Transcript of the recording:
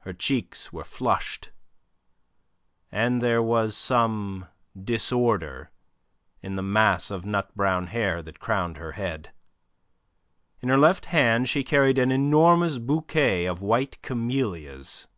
Her cheeks were flushed, and there was some disorder in the mass of nut brown hair that crowned her head. In her left hand she carried an enormous bouquet of white camellias.